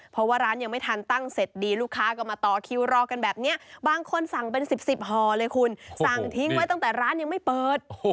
เพราะว่าร้านยังไม่ทันตั้งเสร็จดีลูกค้าก็มาต่อคิวรอกันแบบนี้บางคนสั่งเป็น๑๐ห่อเลยคุณสั่งทิ้งไว้ตั้งแต่ร้านยังไม่เปิด